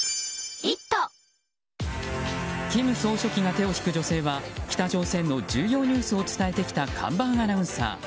金総書記が手を引く女性は北朝鮮の重要ニュースを伝えてきた看板アナウンサー。